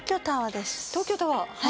東京タワー？